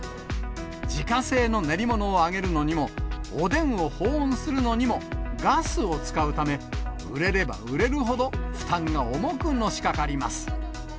自家製の練り物を揚げるのにも、おでんを保温するのにもガスを使うため、売れれば売れるほど負担が重くのしかかります。